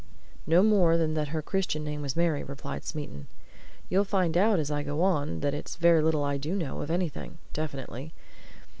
"No more than that her Christian name was Mary," replied Smeaton. "You'll find out as I go on that it's very little I do know of anything definitely.